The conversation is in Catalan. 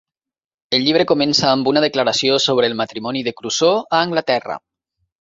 El llibre comença amb una declaració sobre el matrimoni de Crusoe a Anglaterra.